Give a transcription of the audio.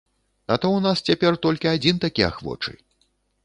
А то ў нас цяпер толькі адзін такі ахвочы.